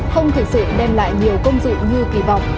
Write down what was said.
không thực sự đem lại nhiều công dụng như kỳ vọng